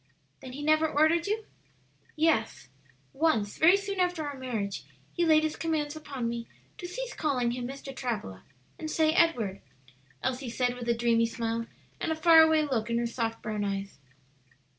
"Then he never ordered you?" "Yes, once very soon after our marriage he laid his commands upon me to cease calling him Mr. Travilla and say Edward," Elsie said, with a dreamy smile and a far away look in her soft brown eyes.